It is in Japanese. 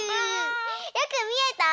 よくみえた？